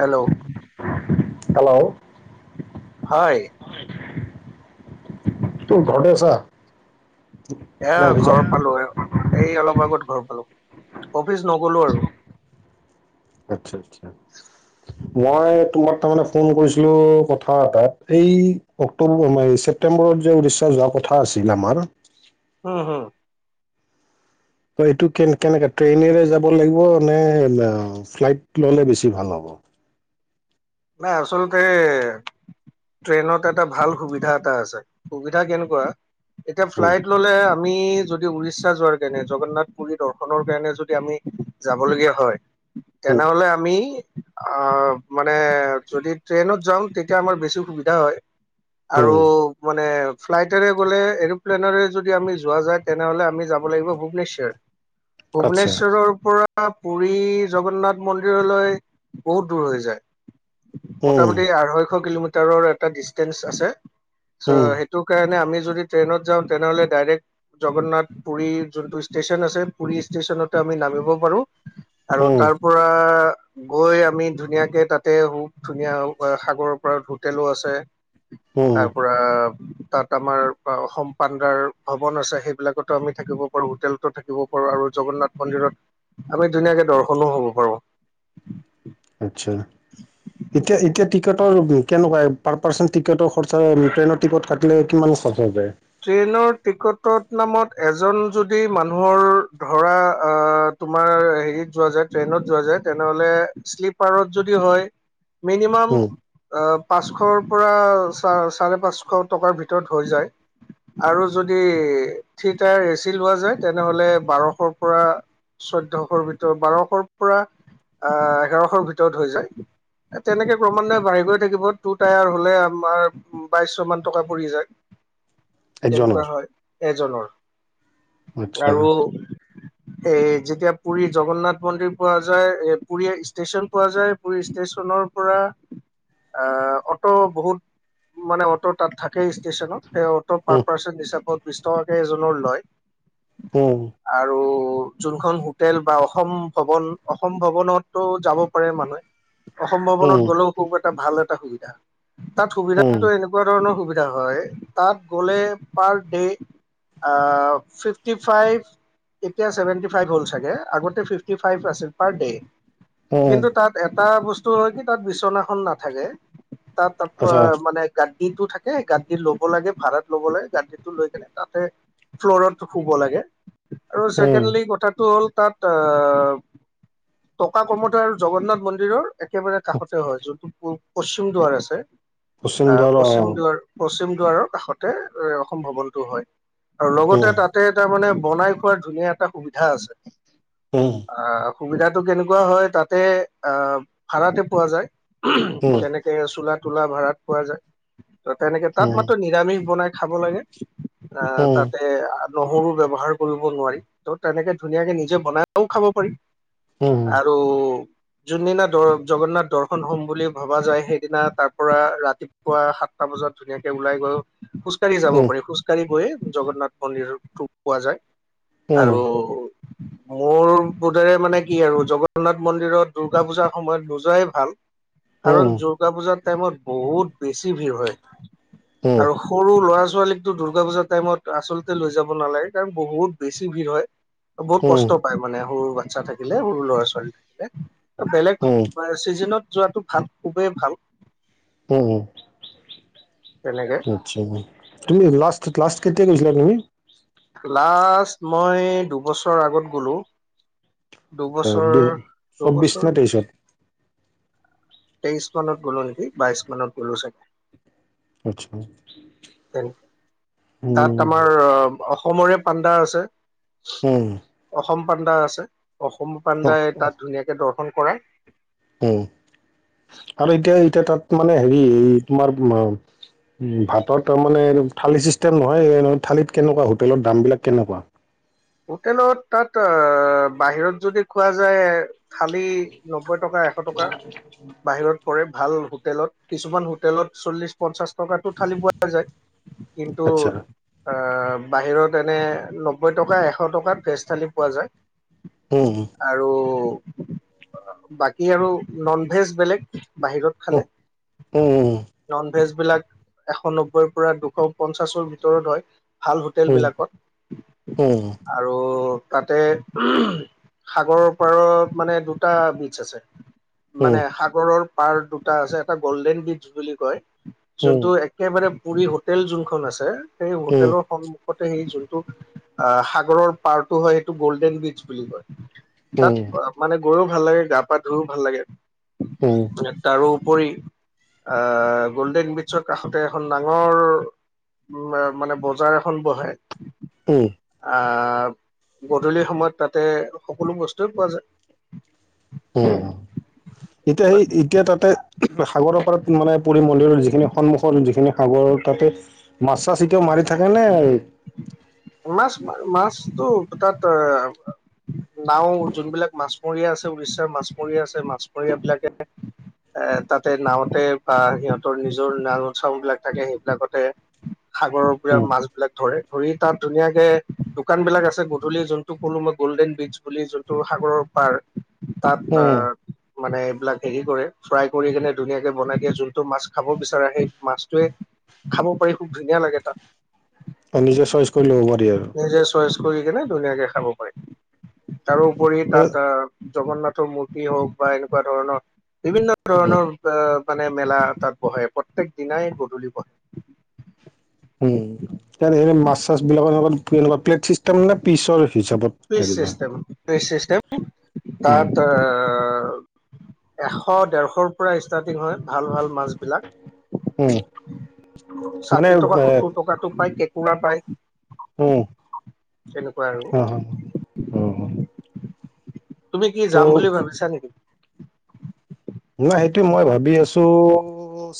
Hello hello হয় তোৰ ঘৰতে আছা? এ, নাই অফিচত। ঘৰ পালো এ এই অলপ আগত ঘৰ পালো অফিচ নগলো আৰু। আচ্ছা আচ্ছা। মই তোমাৰ তাৰমানে ফোন কৰিছিলো কথা এটাত এই অক্টোবৰ ছেপটেম্বৰত যে উৰিষ্যা যোৱা কথা আছিল আমাৰ, উম হম, ত এইটো কে কেনেকে ট্ৰেইনেৰে যাব লাগিব নে ফ্লাইট ললে বেছি ভাল হ'ব? নাই আচলতে এ, ট্ৰেইনত এটা ভাল সুবিধা এটা আছে। সুবিধা কেনেকুৱা এতিয়া উম ফ্লাইট ললে আমি যদি উৰিষ্যা যোৱাৰ কাৰণে জগন্নাথ পুৰী দৰ্শনৰ কাৰণে যদি আমি যাব লগীয়া হয়, উম তেনেহ'লে আমি আহ মা মানে যদি ট্ৰেইনত যাওঁ তেতিয়া আমাৰ বেছি সুবিধা হয় আৰু উম মানে ফ্লাইটেৰে গ'লে এৰ'প্লেনেৰে যদি আমি যোৱা যায় তেনেহ'লে আমি যাব লাগিব ভূৱনেশ্বৰ। [inaudible] ভূৱনেশ্বৰৰ পৰা পুৰী জগন্নাথ মন্দিৰলৈ বহুত দূৰ হৈ যায়। উম মোটামটি আঢ়ৈশ কিলোমিটাৰৰ এটা ডিচটেন্স আছে চ উম হেই সেইটো কাৰণে আমি যদি ট্ৰেইনত যাওঁ তেনেহ'লে ডাইৰেক্ট জগন্নাথ পুৰী যোনটো ষ্টেচন আছে পুুৰী ষ্টেচনতে আমি নামিব পাৰো। আৰু উম তাৰ পৰা গৈ আমি ধুনীয়াকে তাত তে বহুত ধুনীয়া সাগৰৰ পৰা হোটেলো আছে, উম তাৰ পৰা তাত আমাৰ অসম পাণ্ডাৰ ভৱন আছে সেইবিলাকতো আমি থাকিব পাৰো হোটেল থাকিব পাৰো আৰু জগন্নাথ মন্দিৰত আমি ধুনীয়াকে দৰ্শনো হ'ব পাৰো। আচ্ছা, এতিয়া এতিয়া টিকটৰ কেনেকুৱা পাৰ পাৰ্চন টিকটৰ খৰচা ট্ৰেইনৰ টিকট কাটিলে কিমান খৰচ হৈ যায়? ট্ৰেইনৰ টিকটৰ নামত এজন যদি মানুহৰ ধৰা আ, তোমাৰ হেৰিত যোৱা যায় ট্ৰেইনত যোৱা যায় তেনেহ'লে শ্লিপাৰত যদি হয়, মিনিমাম উম আ, পাঁচশৰ পৰা চা চাৰে পাঁচশ টকাৰ ভিতৰত হৈ যায়। আৰু যদি থ্ৰি টায়াৰ এচি লোৱা যায় তেনেহলে বাৰশৰ পৰা চৈধ্যশৰ ভিতৰত বাৰশৰ পৰা আহ এঘাৰশৰ ভিতৰত হৈ যায়। এ তেনেকে ক্ৰমান্বয়ে বাঢ়ি গৈ থাকিব টু টায়াৰ হ'লে আমাৰ উ, বাইশ মান টকা পৰি যায়। তেনেকুৱা একজনৰ হয় এজন। আচ্ছা আৰু [unintelligible] এ যেতিয়া পুৰী জগন্নাথ মন্দিৰ পোৱা যায় এ পুৰী ষ্টেশচন পোৱা যায়, পুৰী ষ্টেচনৰ পৰা আ, অটো বহুত মানে অটো তাত থাকেই ষ্টেচনত। সেই অটো পাৰ উম পাৰ্চন হিচাপত বিশ টকাকৈ এজনৰ লয়। উম, আৰু যোনখন হোটেল বা অসম ভৱন অসম ভৱনটো যাব পাৰে মানুহে। অসম ভৱনত গলেও খুব এটা ভাল এটা সুবিধা। তাত সুবিধাটো এনেকুৱা তেনেকুৱা ধৰণৰ সুবিধা হয় তাত গলে পাৰ ডে আ, ফিফটি ফাইভ এতিয়া ছেভেনটি ফাইভ হ'ল চাগে আগতে ফিফটি ফাইভ আছিল পাৰ ডে, কিন্তু তাত এটা বস্তু হয় কি তাত বিচনাখন নাথাকে তাত অপ মানে, গাড্ডিটো থাকে গাড্ডিৰ লগ লব লাগে ভাড়াত ল'বলে গাড্ডিটো লৈ কেনে তাতে ফ্লৰত শুব লাগে আৰু ছেকেণ্ডলি কথাটো হ'ল তাত এ টকা কমতে আৰু জগন্নাথ মন্দিৰৰ একেবাৰে কাষতে হয় যোনটো পূ পশ্চিম দুৱাৰ আছে পশ্চিম দুৱাৰ পশ্চিম দুৱাৰৰ কাষতে এই অসম ভৱনটো হয় আৰু লগতে তাত তাতে তাৰ মানে বনাই খোৱাৰ ধুনীয়া এটা সুবিধা আছে উম আহ সুবিধাটো কেনেকুৱা হয় তাতে আহ ভাড়াতে পোৱা যায় তেনেকে চোলা তোলা ভাড়াত পোৱা যায় ত তেনেকে তাত মাত্ৰ নিৰামিষ বনাই খাব লাগে আ তাতে এ নহৰু ব্যৱহাৰ কৰিব নোৱাৰি ত' তেনেকে ধুনীয়াকে নিজে বনাইও খাব পাৰি আৰু যোনদিনা দ জগন্নাথ দৰ্শন হম বুলি ভবা যায় সেইদিনা তাৰ পৰা ৰাতিপুৱা সাতটা বজাত ধুনীয়াকে ওলাই গৈ খোজকাঢ়ি যাব পাৰি খোজকাঢ়ি গৈয়ে জগন্নাথ মন্দিৰতটো পোৱা যায় আৰু [inaudible] মোৰ বোধেৰে মানে কি আৰু জগন্নাথ মন্দিৰত দুৰ্গা পূজাৰ সময়ত নোযোৱাই ভাল। কাৰণ দুৰ্গা পূজাৰ টাইমত বহুত বেছি ভিৰ হয় আৰু সৰু ল'ৰা ছোৱালীকতো দুৰ্গা পূজাৰ টাইমত আচলতে লৈ যাব নালাগে কাৰণ বহুত বেছি ভিৰ হয়। বহুত কষ্ট পায় মানে সৰু বাচ্ছা থাকিলে সৰু ল'ৰা ছোৱালী থাকিলে বেলেগ চিজনত যোৱাটো ভাল খুবেই ভাল। উম, উম। তেনেকে। আচ্ছা তুমি লাষ্ট লাষ্ট কেতিয়া গৈছিল তুমি? লাষ্ট মই দুবছৰ আগত গ'লো। আচ্ছা দুবছৰ দু চৌব্বিছ নে দুবছৰ তেইছত? তেইশ মানত গ'লো নেকি বাইশ মানত গ'লো চাগে। আচ্ছা। নে তাত উম, আমাৰ অসমৰে পাণ্ডা আছে। হম। অসম পাণ্ডা আছে অসম অ', পাণ্ডাই তাত ধুনীয়াকে দৰ্শন কৰায়। উম আৰু এতিয়া এতিয়া তাত মানে হেৰি তোমাৰ ভাতত তাৰ মানে থালি চিষ্টেম নহয় থালিত কেনেকুৱা হোটেলৰ দামবিলাক কেনেকুৱা? হোটেলত তাত অ' বাহিৰত যদি খোৱা যায় খালী নব্বৈ টকা এশ টকা বাহিৰত কৰে ভাল হোটেলত কিছুমান হোটেলত চল্লিশ পঞ্চাশ টকাতটো থঠালি পোৱা যায়। কিন্তু আচ্ছা আহ বাহিৰত এনে নব্বৈ টকা এশ এশ টকাত ভেজ থালী পোৱা যায়। হম। আৰু বাকী আৰু নন ভেজ বেলেগ। বাহিৰত উম, খালে? ভেজবলাক এশ নব্বৈৰ পৰা দুশ পঞ্চাশৰ ভিতৰত হয় ভাল হোটেলবিলাকত। উম। আৰু তাতে সাগৰৰ পাৰত মানে দুটা বীচ আছে। মানে সাগৰৰ পাৰ দুটা আছে এটা গল্ডেন ব্ৰীজ বুলি কয়। যোনটো একেবাৰে পুৰি হোটেল যোনখন আছে সেই হোটেলৰ সন্মুখতে সেই যোনটো সগৰৰটো হয় সেইটো গল্ডেন বচ বুলি কয় তাত মানে গৈও ভাল লাগে গা পা ধুইও ভাল লাগে। হম। তাৰোপৰি আহ গ'ল্ডেন বিছৰ কাষতে এখন ডাঙৰ উম, মানে বজাৰ এখন বহে। উম। আ গধূলি সময়ত তাতে সকলো বস্তুৱেই পোৱা যায়৷ উম, এতিয়া সেই এতিয়া তাতে সাগৰপাৰত মানে পুৰি মন্দিৰৰ যিখিনি সন্মুখৰ যিখিনি সাগৰ তাতে মাছ চাছ এতিয়াও মাৰি থাকে নে? মাছ ম মাছতটো তাত আ নাও যোনবিলাক মাছমৰীয়া আছে উৰিষ্যাৰ মাছমৰীয়া আছে মাছমৰীয়াবিলাকে এ তাতে নাওতে বা সিহঁতৰ নিজৰ নাম উৎসও বিলাক থাকে সেইবিলাকতে সাগৰৰ পৰা উম, মাছ এইবিলাক ধৰে ধৰি তাত ধুনীয়াকে দোকান বিলাক আছে গধূলি যোনটো ক'লো মই গ'ল্ডেন বীচ বুলি যোন টো সাগৰৰ পাৰ তাত উম, আহ মানে এইবিলাক হেৰি কৰে ফ্ৰাই কৰি কেনে ধুনীয়াকে বনাই দিয়ে যোনটো মাছ খাব বিচাৰে সেই মাছটোৱে খাব পাৰি খুব ধুনীয়া লাগে তাত নিজে চইচ কৰি ল'ব পাৰি আৰু নিজে চইচ কৰি কিনে ধুনীয়াকে খাব পাৰি তাৰোপৰি তাত জগন্নাথৰ মূৰ্তি হওক বা এনেকুৱা ধৰণৰ বিভিন্ন উম, ধৰণৰ অ মানে মেলা তাত বহে প্ৰত্যেক দিনাই গধূলি বহে উম এনে মাছ চাছ বিিলাক একুৱকুৱা প্লে তাৰমানে পিছৰ হিচাপত টুইষ্ট হেৰি চিষ্টেম টুইষ্ট চিষ্টেম কৰা তাত এশ ডেৰশৰ পৰা ষ্টাৰ্টিং হয় ভাল ভাল মাছ বিলাক উম, মানে ষাঠি টকা এ সত্তৰ টকাাতটো প্ৰায় পুৰা পাই উম তেনেকুৱা আৰু অ', অ তুমি কি যাম ত' বুলি ভাবিছা নেকি নাই সেইটো মই ভাবি আছো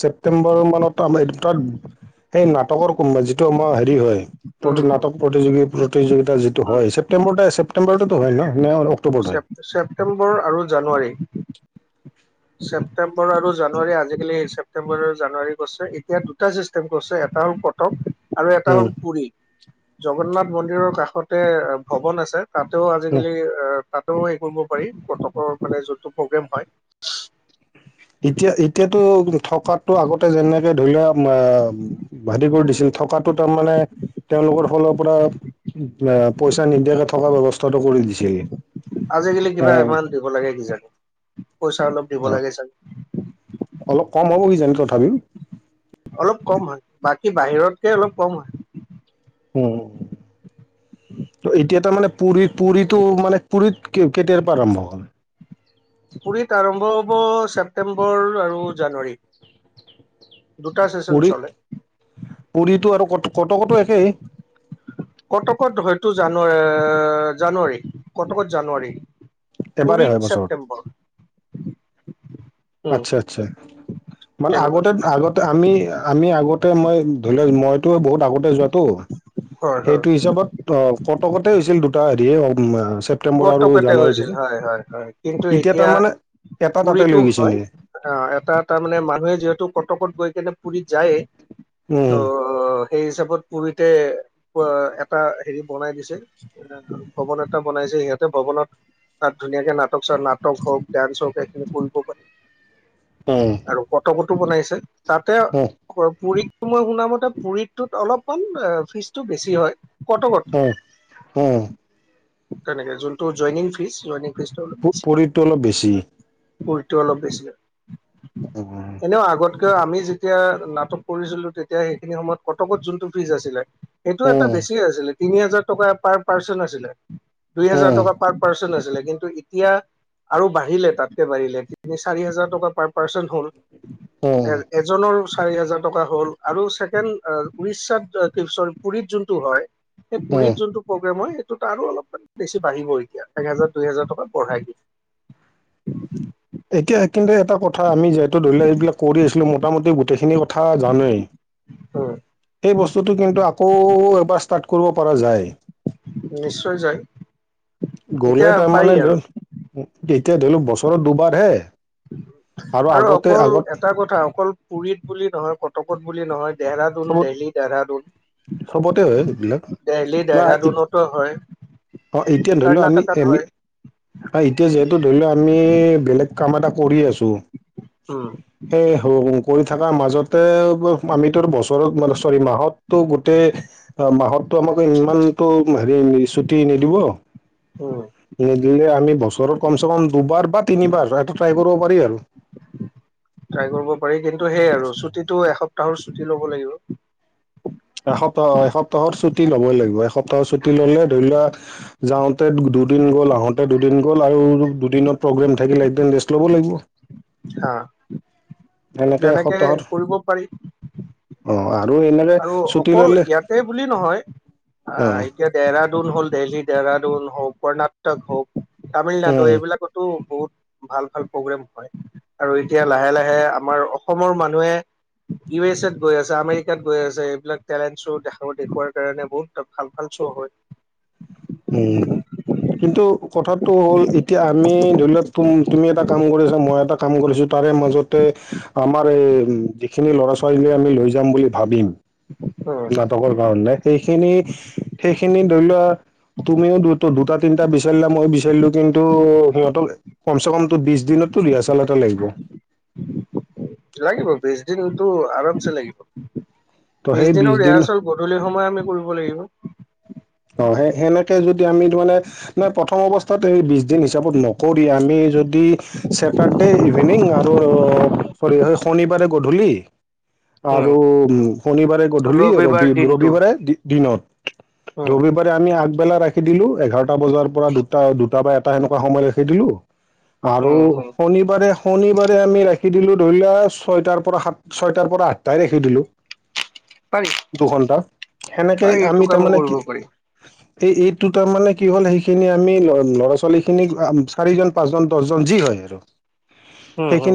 ছেপটেম্বৰ মানত আমাৰ এই তাত সেই নাটকৰ যিটো আমাৰ হেৰি হয় উম, প্ৰতি উম, নাটক প্ৰতিযোগী প্ৰতিযোগিতা যিটো উম, হয় ছেপ্্তেম্বৰতে ছেপ পেম্বৰতটোো হয় নাই অক্টোবৰটো হয় ছেপ্তেম্বৰ আৰু জানুৱাৰী ছেপটেম্বৰ আৰু জানুৱাৰী আজিকালি ছেপটেম্বৰ আৰু জানুৱাৰী গছে এতিয়া দুটা চষ্ট ছে এটা হল পথক আৰু এটা উম, হ'ল পুৰী জগন্নাথ মন্দিৰৰ কাষতে ভৱন আছে তাতেও উম। আজিকালি তাতেও হেৰি কৰিব পাৰি পথকৰ মানে যোনটো প্ৰগ্ৰেম হয় এতিয়া এতিয়াতো থকটো আগতে যেনেকে ধৰি লোৱা ভাদি কৰি দিছিল থকাাতটো তাৰমানানে তেওঁলোকৰ ফালৰ পৰা পইচা নিদিয়াকে থকা ব্য্ৱস্থাটো কৰি দিছিল আজিকালি কিবা আহ এমাউণ্ট দিব লাগে কিজানো পইচা অলপ দিব অ, লাগে জানো অলপ কম হ'ব কিি জানে তথাপিম অলপ কম হয় বাকী বাহিৰতকে অলপ কম হয় উ এতিয়া তাৰ মানে পী পুৰীতটো মানে পুুৰীত কেটৰ পৰা আৰমভ হ'ল পুুৰীত আৰম্ভ হব ছেপ্তেম্বৰ আৰু জানুৱাৰীত দুটা চেচন পুৰীত চলে পুৰীটো আৰু ক কটকটো একেই কটকত হয়তো জানুৱাৰী জানুৱাৰী কটকত জানুৱাৰী এবাৰেই হয় কুৰিীত বছৰত। ছেপ্তেম্বৰ উম আচ্ছা আচ্ছা মানে তেনেকুৱা আগতে আগতে আমি আমি আগতে মই ধৰি লও মইতো বহুত আগতে যোৱাতটো হয় হয় সেইটো হিচাপত অ কটকতে হৈছিল দুটা হেৰিয়ে ছেপ্তেম্বৰ আৰু কটকতে জানুৱাৰীত হৈছিল হৈছে হয় হয় হয় কিন্তু এতিয়া তাৰমানানে এটা তাতে পুৰীটো লৈ গৈছে হয় নেকি? অ এটা তাৰ মানে মানুহে যিহেতু কটকত গৈ কেনে পুুৰীত যায়েই ত' উম অ সেই হিচাপত পুৰিতে এটা হেৰি বনাই দিছে আহ ভৱন এটা বনাইছে সিহঁতে ভৱনত তাত ধুনীয়াকে নাটক চ নাটক হওক ডান্স হওক এইখিনি কৰিব পাৰি অ আৰু পটকটো বনাইছে তাতে পুৰীতটো মই শুনাম মতে পুৰীতটোত অলপমান ফিজটো বেছি হয় কটকত উ উম তনেকে যোনটো জইনিং ফিজ জইনিং ফিজ অলপ বেছি পুৰীটো অলপ বেছি। পুৰটো অলপ বেছিলে উম এনেও আগত ক আমি যেতিয়া নাটক কৰিছিলো তেতিয়া সেইখিনি সময়ত কটকত যোনটো ফ্ৰিজ আছিলে সেইটো এটা উম বেছি আছিলে তিনি হাজাৰ টকা পাৰ পাৰ্চন আছিলে দুই হোজাৰ উম টকা পাৰ পাৰ্চন হৈছিলে কিন্তু এতিয়া আৰু বাঢ়িলে তাতকে বাঢ়িলে তিনি চাৰি হাজাৰ টকা পাৰ পাৰ্চন হ উম এ এজনৰ চাৰি হাজাৰ টকা হ'ল আৰু ছেকেণ্ড উৰিষ্যাত কি পুৰীত যোনটো হয় স উম পুৰীত যোনটো প্ৰগ্ৰেম হয় সেইটোত আৰু অলপ মান বেছি বাঢ়িব এতিয়া এক হেজাৰ দুই হাজজাৰ টকা বঢ়াই দিয় এতিয়া কিন্তু এটা কথা আমি যিহেতু ধৰি লওক এইবিলাক কৰি আছিলোঁ মোটামুটি গোটেইখিনি কথা জানেই উম সেই বস্তুটো কিন্তু আকৌ এবাৰ ষ্টাৰ্ট কৰিব পৰা যায় নিশ্চয় যায় এতিয়া গলে তাৰ পাৰি মানে উ আৰু এতিয়া ধৰি লওক বছৰত দুবাৰ হে আৰু অকল এটা কথা অকল পুৰীত বুলি নহয় কটকত বুলি নহয় দেহৰাদুন চবত দেলহি দেহৰাদুন চবতে হয় এইবিলাক দেলহি ন দেহৰাদুনতো হয় অ এতিয়া ধৰি লও আমি কৰ্ণাটকাত এমি হয় এতিয়া যিহেতু ধৰি লও আমি বেলেগ কাম এটা কৰি আছো উম সেই কৰি থকা মাজতে আমিতো বছৰত চৰি মাহতো তেতে অ মাহতো আমাক ইমান টো হেৰি ছুটি নিদিব উম নিদিলে আমি বছৰৰত কমচে কম দুবাৰ বা তিনিবাৰ এটা ট্ৰাই কৰিব পাৰি আৰু ট্ৰাই কৰিব পাৰি কিন্তু সেইয় আৰু ছুটীটো এসপ্তাহৰ ছুটি ল'ব লাগিব এসপ্তাহ এসপ্তাহৰ ছুটি ল'বই লাগিব এসপ্তাহৰ ছুটি ললে ধৰি লোৱা যাওঁতে দুদিন গ'ল আহোতে দুদিন গ'ল আৰু দুদিনত প্ৰগ্ৰেম থাকিলে একদিন ৰেষ্ট ল'ব লাগিব হা এনেকে তেনেকে এসপ্তাহত কৰিব পাৰি অ আৰু এনেৰে আৰু অকল ইয়াতে বুলি নহয় অ আহ এতিয়া ডেহৰাডুন হ'ল দেলহী ডেৰাডুন হওক কৰ্ণাটক হওক তামিলনাডু উম এইবিলাকত তো বহুত ভাল ভাল প্ৰগ্ৰেম হয় আৰু এতিয়া লাহে লাহে আমাৰ অসমৰ মানুহে ই এছ এত গৈ আছে আমাৰ তাত গৈ আছে এইবিলাক টেলেণ্ট শ্ব' দেখা দেখওৱ কাৰে বহুত ভাল ভাল শ্ব' হয় উম কিন্তু কথাাতটো হ'ল এতিয়া আমি ধৰি লওক তুম তুমি এটা কাম কৰি আছা মই এটা কাম কৰিছোঁ তাৰে মাজতে, আমাৰ এই যিখিনি ল'ৰা ছোৱালী আমি লৈ যাম বুলি ভাবিম, উম নাটকৰ কাৰণ সেইখিনি সেইখিনি ধৰি লোৱা তুমিও দু দুটা তিনিটা বিচাৰিলা মই বিচাৰিলো কিন্তু সিহঁতক কমচে কমটো বিশ দিনতো ৰিহাৰ্চেল এটা লাগিব। লাগিব বিশ দিনটো আৰামছে লাগিব ত' বি সেই বিশ দিনৰ দিন ৰিহাৰ্চল গধূলি সময় আমি কৰিব লাগিব। অ, সেই সেনেকে যদি আমি তাৰানে নাই প্ৰথম অৱস্থাত এই বিশছ দিন হিচাপত নকৰি আমি যদি চছেটাৰডে ইভিনিং আৰু চৰি হয় শনিবাৰে গধূলি উম আৰু শনিবাৰে গধূলি ৰবিবাৰ ৰবি দিনটো ৰবিবাৰে দিনত। উম ৰবিবাৰে আমি আগবেলা ৰাখি দিলো এঘাৰটা বজাৰ পৰা দুটা দুটা বা এটা সেনেকুৱা সময় ৰাখি দিলো, আৰু উম উম শনিবাৰে শনিবাৰে আমি ৰাখি দিলো ধৰি লোৱা ছয়টাৰ পৰা সাত ছয়টাৰ পৰা আঠটাই ৰাখি দিলোঁ। পাৰি দুঘন্টা পাৰি সেনেকেই এইটো আমি কাম তাৰমানে কৰিব কি পাৰি এই এইদটো তাৰ মানে কি হ'ল সেইখিনি আমি ল'ৰা ছোৱালী খিনিক চাৰিজন পাঁচজন দহজন যি হয় আৰু, উম, হুম, সেইখিনি